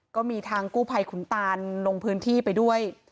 ก็มีทางกู้ภัยขุนตานลงพื้นที่ไปด้วย